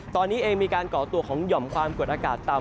ตอนนี้เองมีการก่อตัวของหย่อมความกดอากาศต่ำ